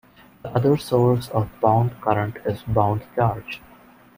The other source of bound current is bound charge.